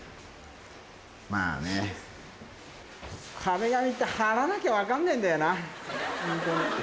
まあね、壁紙って貼らなきゃ分かんねえんだよな。